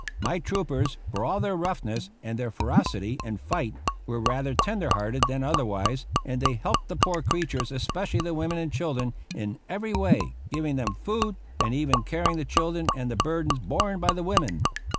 My troopers, for all their roughness and their ferocity in fight, were rather tender hearted than otherwise, and they helped the poor creatures, especially the women and children, in every way, giving them food and even carrying the children and the burdens borne by the women.